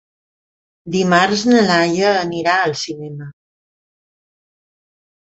Dimarts na Laia anirà al cinema.